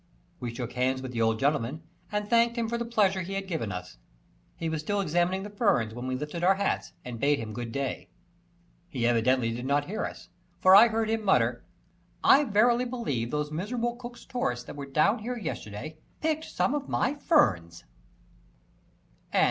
We shook hands with the old gentleman and thanked him for the pleasure he had given us. He was still examining the ferns when we lifted our hats and bade him good day. He evidently did not hear us, for I heard him mutter: "I verily believe those miserable Cook's tourists that were down here yesterday picked some of my ferns." WILLIAM E.